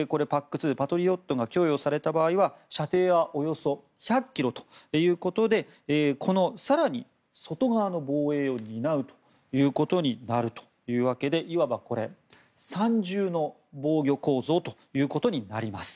２パトリオットが供与された場合ですが射程はおよそ１００ｋｍということで更に、この外側の防衛を担うことになるというわけでいわば３重の防御構造ということになります。